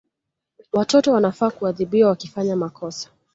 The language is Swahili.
Watoto wanafaa kuadhibiwa wakifanya makosa